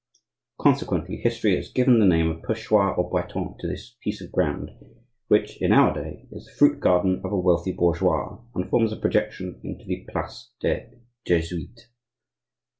Consequently, history has given the name of "Perchoir aux Bretons" to this piece of ground, which, in our day, is the fruit garden of a worthy bourgeois, and forms a projection into the place des Jesuites.